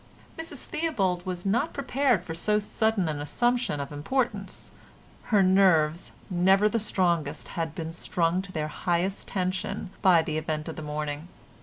Mrs Theobald was not prepared for so sudden an assumption of importance. Her nerves, never of the strongest, had been strung to their highest tension by the event of the morning.